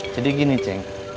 jadi gini ceng